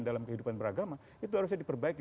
dalam kehidupan beragama itu harusnya diperbaiki